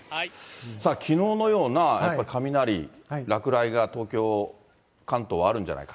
きのうのようなやっぱり雷、落雷が東京、関東、あるんじゃないか。